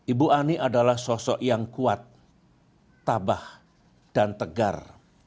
ibu ani adalah sosok yang kuat tabah dan tegar